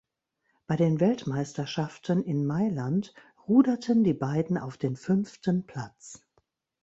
Bei den Weltmeisterschaften in Mailand ruderten die beiden auf den fünften Platz.